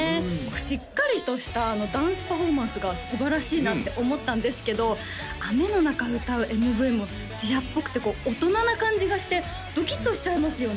しっかりとしたダンスパフォーマンスがすばらしいなって思ったんですけど雨の中歌うＭＶも艶っぽくて大人な感じがしてドキッとしちゃいますよね